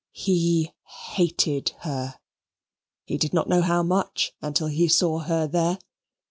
He hated her. He did not know how much until he saw her there.